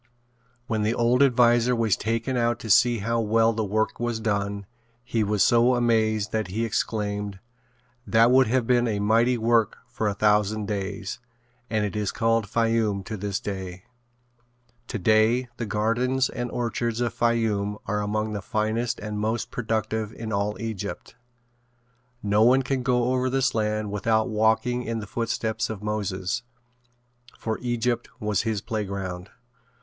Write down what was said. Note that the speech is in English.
When the old adviser was taken out to see how well the work was done, he was so amazed that he exclaimed: "That would have been a mighty work for a thousand days," and it is called Fayoum to this day. Today the gardens and orchards of Fayoum are among the finest and most productive in all Egypt. No one can go over this land without walking in the footsteps of Moses, for Egypt was his playground.